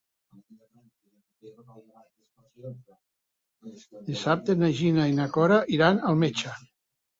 Dissabte na Gina i na Cora iran al metge.